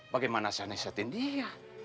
bagaimana saya nesetin dia